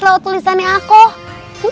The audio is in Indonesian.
lewat tulisannya aku